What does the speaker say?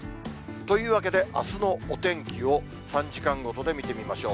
というわけで、あすのお天気を３時間ごとで見てみましょう。